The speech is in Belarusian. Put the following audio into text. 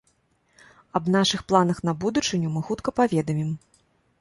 Аб нашых планах на будучыню мы хутка паведамім.